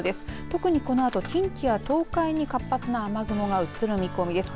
特にこのあと、近畿や東海に活発な雨雲が動く見込みです。